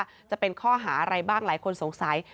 จะเป็นข้อหาอะไรบ้างหลายคนสงสัย